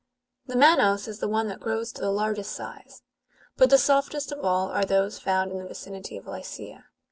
'^^ The manos is the one that grows to the largest size, but the softest of all are those found in the vicinity of Lycia.